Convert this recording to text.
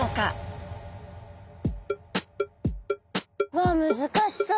わあむずかしそう。